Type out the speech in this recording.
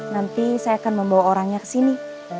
nanti saya akan membawa orangnya ke sini